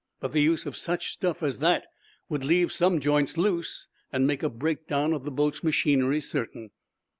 But the use of such stuff as that would leave some joints loose, and make a breakdown of the boat's machinery certain."